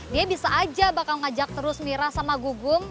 dia bisa aja bakal ngajak terus mira sama gugum